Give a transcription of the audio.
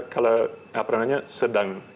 kalau apakahnya sedang